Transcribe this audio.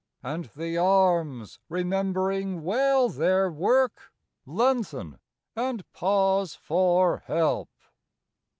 " and the arms, remembering well their work, Lengthen and pause for help.